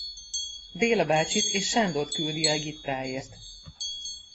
Béla bácsit és Sándort küldi el Gittáért.